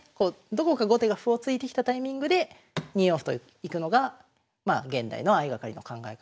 どこか後手が歩を突いてきたタイミングで２四歩といくのが現代の相掛かりの考え方の一つですね。